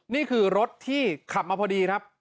นี่คือรถที่ขับมาพอดีครับ